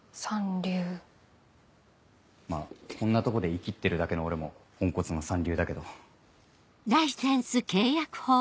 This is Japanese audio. まぁこんなとこでイキってるだけの俺もポンコツの三流だけど。